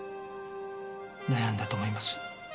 悩んだと思います。